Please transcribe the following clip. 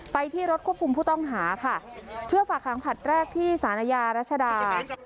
ไปที่รถควบคุมผู้ต้องหาค่ะเพื่อฝากหางผัดแรกที่สารยารัชดา